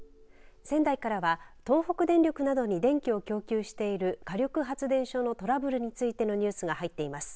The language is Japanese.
仙台からは東北電力などに電気を供給している火力発電所のトラブルについてのニュースが入っています。